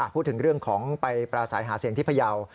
พูดถึงเรื่องของไปปราศัยหาเสียงที่พยาว